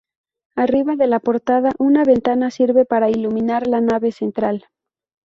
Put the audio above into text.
Arriba de la portada una ventana sirve para iluminar la nave central.